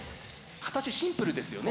形シンプルですよね